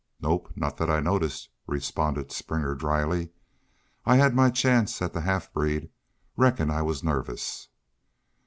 "Nope not thet I noticed," responded Springer, dryly. "I had my chance at the half breed.... Reckon I was nervous."